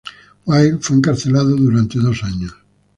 Wilde fue encarcelado durante dos años.